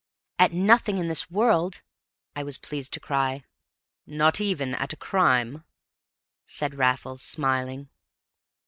"At nothing in this world," I was pleased to cry. "Not even at a crime?" said Raffles, smiling.